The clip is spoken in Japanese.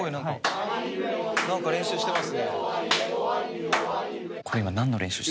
何か練習してますね。